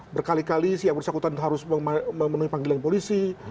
berkali kali si yang bersangkutan harus memenuhi panggilan polisi